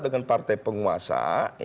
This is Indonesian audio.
dengan partai penguasa